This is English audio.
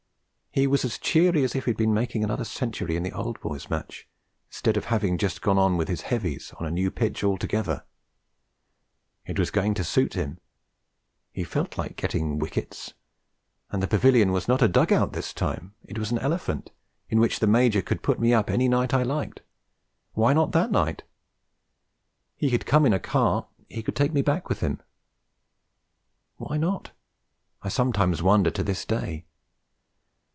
He was as cheery as if he had been making another century in the Old Boys' Match, instead of having just gone on with his heavies on a new pitch altogether. It was going to suit him. He felt like getting wickets. And the Pavilion was not a dug out this time; it was an elephant, in which the Major and he could put me up any night I liked. Why not that night? He had come in a car; he could take me back with him. Why not, I sometimes wonder to this day!